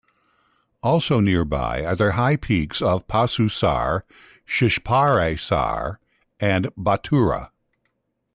Also nearby are the high peaks of Pasu Sar, Shispare Sar, and Batura.